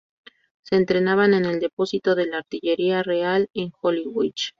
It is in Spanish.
Se entrenaban en el Depósito de la Artillería Real en Woolwich.